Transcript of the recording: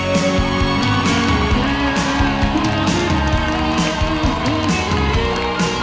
ฟังบทเพลง